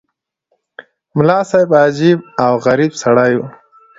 ملا صاحب عجیب او غریب سړی وو.